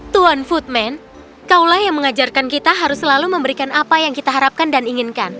tuan foodman kaulah yang mengajarkan kita harus selalu memberikan apa yang kita harapkan dan inginkan